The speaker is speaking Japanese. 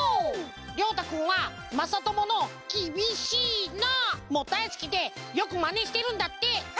りょうたくんはまさともの「きびしいな」もだいすきでよくまねしてるんだって。